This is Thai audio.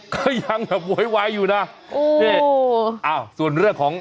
ก็ยังแบบโวยวายอยู่นะโอ้นี่โอ้อ้าวส่วนเรื่องของ